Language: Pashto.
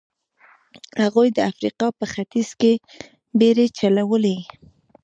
هغوی د افریقا په ختیځ کې بېړۍ چلولې.